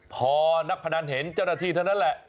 พอนักพนันเห็นจรฐีเท่านั้นแหละ